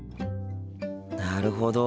なるほど。